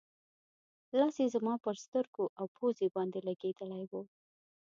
لاس یې زما پر سترګو او پوزې باندې لګېدلی و.